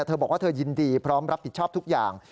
เธอบอกว่าเธอยินดีพร้อมรับผิดชอบทุกอย่าง